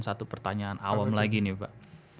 satu pertanyaan awam lagi nih pak